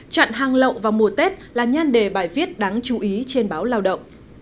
chặn hàng lậu vào mùa tết là nhan đề bài viết đáng chú ý trên báo lao động